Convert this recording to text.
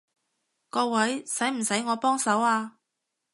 各位，使唔使我幫手啊？